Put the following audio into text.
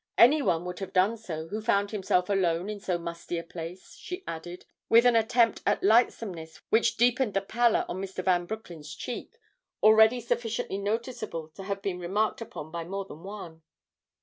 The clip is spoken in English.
"Any one would have done so who found himself alone in so musty a place," she added, with an attempt at lightsomeness which deepened the pallor on Mr. Van Broecklyn's cheek, already sufficiently noticeable to have been remarked upon by more than one.